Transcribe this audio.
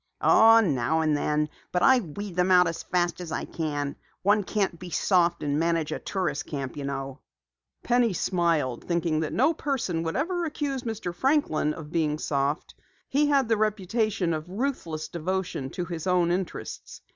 "Oh, now and then. But I weed them out as fast as I can. One can't be soft and manage a tourist camp, you know." Penny smiled, thinking that no person ever would accuse Mr. Franklin of being "soft." He had the reputation of ruthless devotion to his own interests.